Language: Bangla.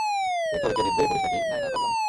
দেখতে হবে কে জিতবে, পুলিশ নাকি নায়নার পাগলামী!